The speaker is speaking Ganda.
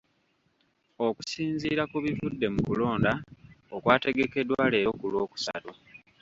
Okusinziira ku bivudde mu kulonda okwategekeddwa leero ku Lwokusooka.